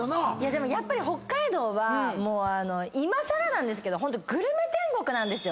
でもやっぱり北海道はもういまさらなんですけどホントグルメ天国なんですよ。